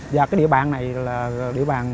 và địa bàn này là địa bàn